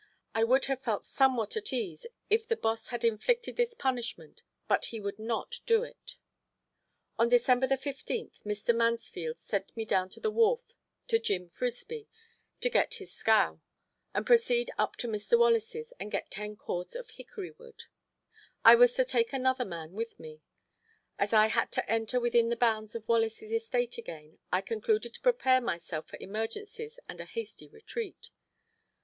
I would have felt somewhat at ease if the boss had inflicted this punishment, but he would not do it. On December 15 Mr. Mansfield sent me down to the wharf to Jim Frisby, to get his scow, and proceed up to Mr. Wallace's and get ten cords of hickory wood. I was told to take another man with me. As I had to enter within the bounds of Wallace's estate again, I concluded to prepare myself for emergencies and a hasty retreat.